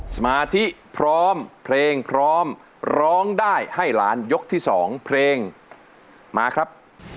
สมาธิพร้อมเพลงพร้อมร้องได้ให้ล้านยกที่๒เพลงมาครับ